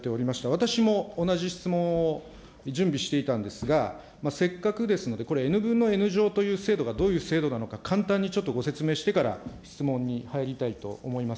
私も同じ質問を準備していたんですが、せっかくですので、これ、Ｎ分のＮ乗という制度がどういう制度なのか、簡単にちょっとご説明してから、質問に入りたいと思います。